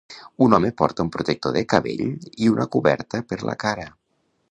Un home porta un protector de cabell i una coberta per la cara.